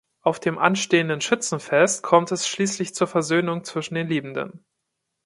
Auf dem anstehenden Schützenfest kommt es schließlich zur Versöhnung zwischen den Liebenden.